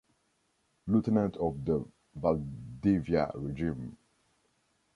Lieutenant of the Valdivia Regime.